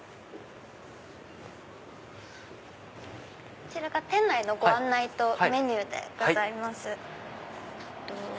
こちらが店内のご案内とメニューでございます。